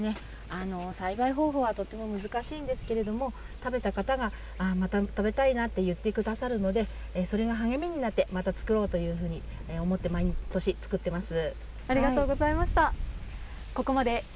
栽培方法はとても難しいんですけれども、食べた方がまた食べたいなって言ってくださるので、それが励みになって、また作ろうというふうに思って、毎年作ってます。